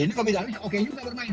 ini robby darwish oke juga bermain